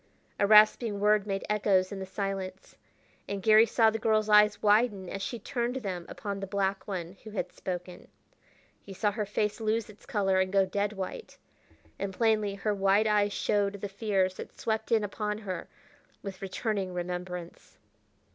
A rasping word made echoes in the silence, and Garry saw the girl's eyes widen as she turned them upon the black one, who had spoken. He saw her face lose its color and go dead white, and plainly her wide eyes showed the fears that swept in upon her with returning remembrance.